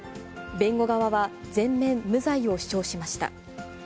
弁護側は、全面無罪を主張しました。